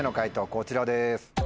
こちらです。